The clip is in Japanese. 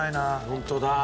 ホントだ！